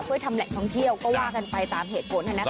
เพื่อทำแหล่งท่องเที่ยวก็ว่ากันไปตามเหตุผล